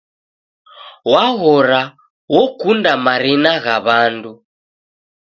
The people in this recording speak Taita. Waghora okunda marina gha w'andu.